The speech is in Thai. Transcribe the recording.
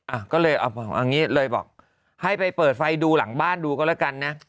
อ่ะก็เลยเอางี้เลยบอกให้ไปเปิดไฟดูหลังบ้านดูก็แล้วกันนะ